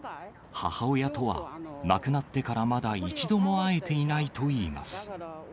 母親とは、亡くなってからまだ一度も会えていないといいます。